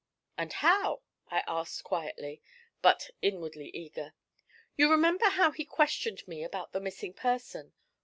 'And how?' I asked quietly, but inwardly eager. 'You remember how he questioned me about the "missing person?"